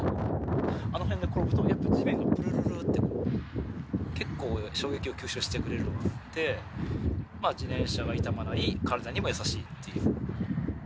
あの辺で転ぶと、やっぱ地面がぷるぷるって結構、衝撃を吸収してくれるので、まあ、自転車が傷まない、体にも優しいっていう。